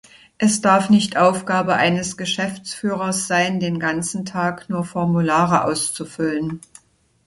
Es darf nicht Aufgabe eines Geschäftsführers sein, den ganzen Tag nur Formulare auszufüllen.